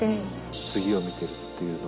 次を見ているっていうのは、